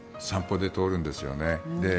散歩で通るんですよね。